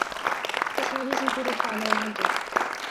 His hobbies included farming and hunting.